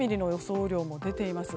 雨量も出ています。